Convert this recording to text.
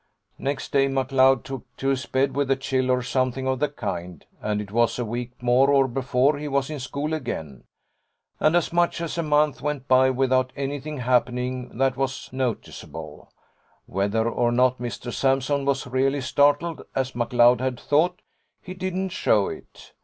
Next day McLeod took to his bed with a chill or something of the kind, and it was a week or more before he was in school again. And as much as a month went by without anything happening that was noticeable. Whether or not Mr Sampson was really startled, as McLeod had thought, he didn't show it.